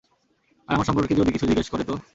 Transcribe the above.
আর আমার সম্পর্কে যদি কিছু জিজ্ঞেস করে তো?